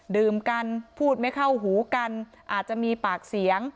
ดื่มกันพูดไม่เข้าหูกันอาจจะมีปากเสียง